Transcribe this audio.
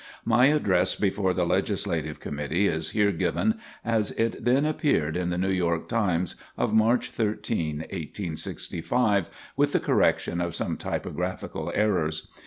My address before the Legislative Committee is here given as it then appeared in The New York Times of March 13, 1865, with the correction of some typographical errors.